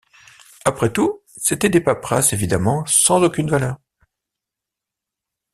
Après tout, c’étaient des paperasses évidemment sans aucune valeur.